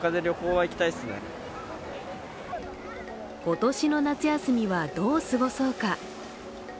今年の夏休みはどう過ごそうか。